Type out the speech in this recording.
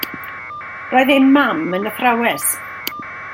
Roedd ei mam yn athrawes.